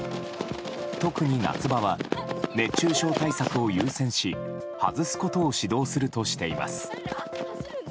特に夏場は熱中症対策を優先し外すことを指導するとしています。